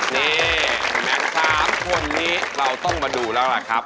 นี่แม็ก๓คนนี้เราต้องมาดูแล้วล่ะครับ